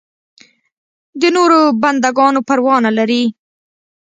د نورو بنده ګانو پروا نه لري.